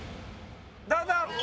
どうぞ。